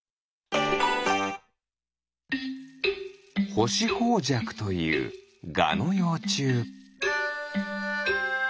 ホシホウジャクというガのようちゅう。